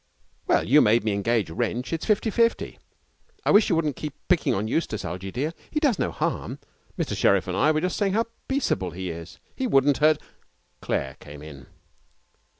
'Well, you made me engage Wrench. It's fifty fifty. I wish you wouldn't keep picking on Eustace, Algie dear. He does no harm. Mr Sherriff and I were just saying how peaceable he is. He wouldn't hurt ' Claire came in.